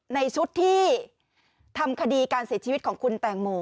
ในชุดที่ทำคดีการเสียชีวิตของคุณแตงโม